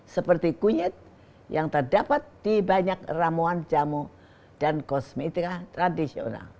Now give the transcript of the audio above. seperti kunyit yang terdapat di banyak ramuan jamu dan kosmetika tradisional